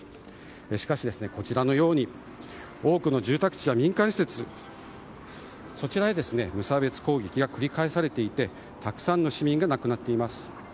しかし、こちらのように多くの住宅地や民間施設そちらへ無差別攻撃が繰り返されていてたくさんの市民が亡くなっています。